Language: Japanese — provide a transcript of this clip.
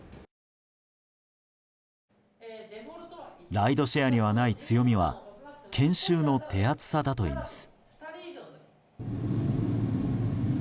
ライドシェアにはない強みは研修の手厚さだといいます。